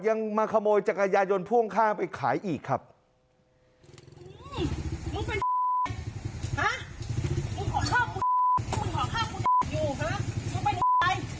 ยังมาขโมยจักรยายนพ่วงค่าไปขายอีกครับมึงไปฮะมึงขอข้าวมึงขอข้าว